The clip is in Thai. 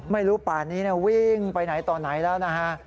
ป่านนี้วิ่งไปไหนต่อไหนแล้วนะฮะ